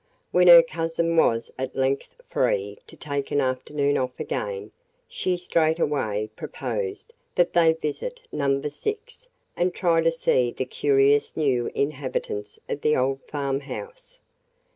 When her cousin was at length free to take an afternoon off again, she straightway proposed that they visit Number Six and try to see the curious new inhabitants of the old farm house.